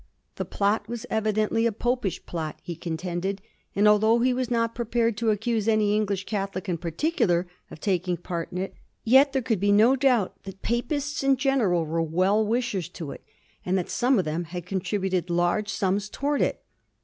The plot was evidently a Popish plot, he contended, and although he was not prepared to accuse any English Catholic in particular of taking part in it, yet there could be no doubt that Papists in general were well wishers to it, and that some of them had contributed large sums towards it.